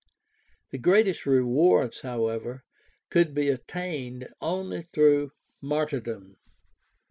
The greatest rewards, however, could be attained only through martyrdom.